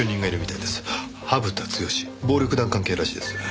土生田剛暴力団関係らしいです。